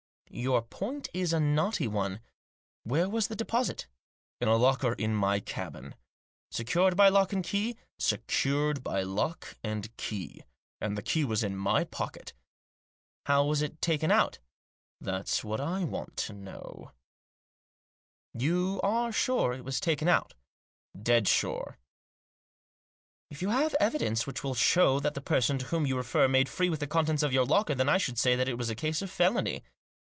"Your point is a knotty one. Where was the deposit ?"" In a locker in my cabin." " Secured by lock and key ?"" Secured by lock and key. And the key was in my pocket" " How was it taken out ?"" That's what I want to know." Digitized by 176 THE JOSS. " You are sure it was taken out ?" "Dead sure." " If you have evidence which will show that the person to whom you refer made free with the contents of your locker, then I should say that it was a case of felony.